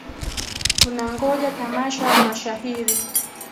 Tunangoja tamasha la mashahiri